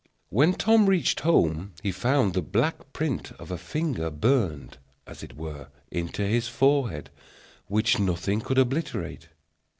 When Tom reached home he found the black print of a finger burned, as it were, into his forehead, which nothing could obliterate.